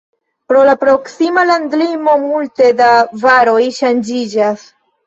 Pro la proksima landlimo multe da varoj ŝanĝiĝas.